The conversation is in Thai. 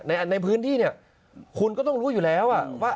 ในพื้นที่เนี่ยคุณก็ต้องรู้อยู่แล้วว่า